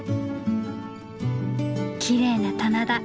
きれいな棚田。